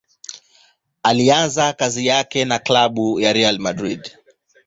Alianza kazi yake na klabu ya Real Madrid.